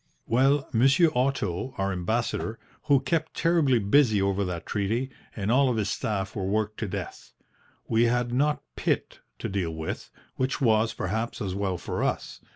"Well, Monsieur Otto, our Ambassador, was kept terribly busy over that treaty, and all of his staff were worked to death. We had not Pitt to deal with, which was, perhaps, as well for us.